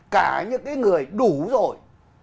cả những cái người đủ rồi